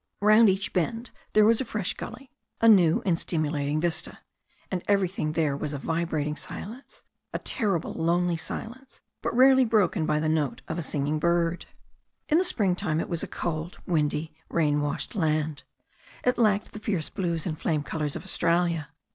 Round each bend there was a fresh gully, a new and stim ulating vista. And everywhere there was a vibrating THE STORY OF A NEW ZEALAND RIVER 15 silence, a terribly lonely silence, but rarely broken by the note of a singing bird. In springtime it was a cold, windy, rain washed land. It lacked the fierce blues and flame colours of Australia.